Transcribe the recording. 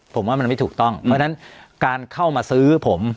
ผมว่ามันไม่ถูกต้องเพราะฉะนั้นการเข้ามาซื้อผม